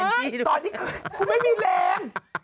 ตอนนี้ฉันไม่มีแรง